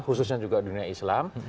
khususnya juga dunia islam